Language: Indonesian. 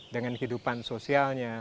dengan kehidupan sosialnya